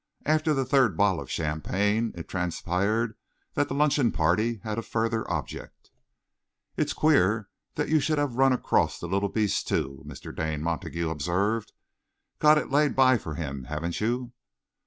After the third bottle of champagne, it transpired that the luncheon party had a further object. "It's queer that you should have run across the little beast, too," Mr. Dane Montague observed. "Got it laid by for him, haven't you?"